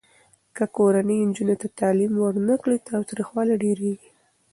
که کورنۍ نجونو ته تعلیم ورنه کړي، تاوتریخوالی ډېریږي.